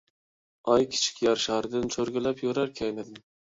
ئاي كىچىك يەر شارىدىن ، چۆرگۈلەپ يۈرەر كەينىدىن.